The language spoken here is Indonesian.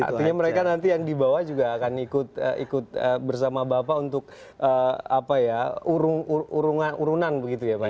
artinya mereka nanti yang di bawah juga akan ikut bersama bapak untuk urunan begitu ya pak ya